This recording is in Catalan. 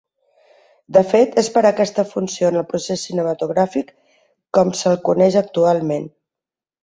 De fet, és per aquesta funció en el procés cinematogràfic com se'l coneix actualment.